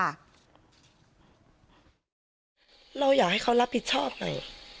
เราอยากให้เขารับผิดชอบหน่อย